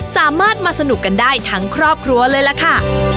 สามารถมาสนุกกันได้ทั้งครอบครัวเลยล่ะค่ะ